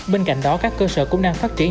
bên cạnh đó các cơ sở cũng đang phát triển